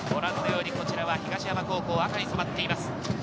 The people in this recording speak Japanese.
こちらは東山高校、赤に染まっています。